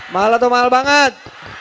mahal atau mahal banget